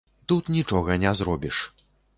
Тут нічога не зробіш.